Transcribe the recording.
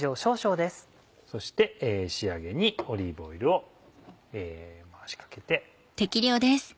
そして仕上げにオリーブオイルを回しかけて。